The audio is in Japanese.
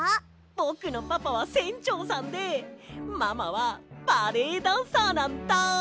ぼくのパパはせんちょうさんでママはバレエダンサーなんだ。